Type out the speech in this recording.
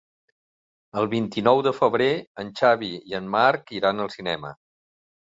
El vint-i-nou de febrer en Xavi i en Marc iran al cinema.